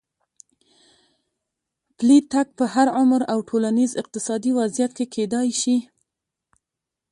پلی تګ په هر عمر او ټولنیز اقتصادي وضعیت کې کېدای شي.